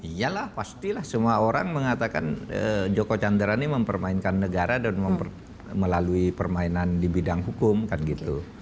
iya lah pastilah semua orang mengatakan joko chandra ini mempermainkan negara dan melalui permainan di bidang hukum kan gitu